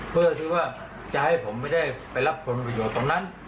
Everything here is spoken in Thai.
เพื่อที่ว่าจะให้ผมไม่ได้ไปรับผลประโยชน์ตรงนั้น